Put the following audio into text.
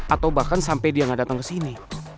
atau bahkan sampai dia gak datang kesini